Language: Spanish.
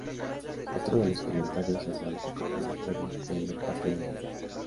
Otro de los comentarios hacia el recopilatorio fue el empaque del mismo.